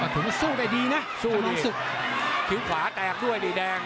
สู้ได้ดีนะต่ำร้องสุดสู้ดีคิ้วขวาแตกด้วยดิแดง